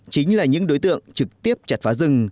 chính là những đối tượng trực tiếp chặt phá rừng